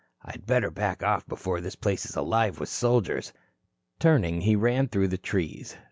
"I'd better back off before this place is alive with soldiers." Turning, he ran through the trees.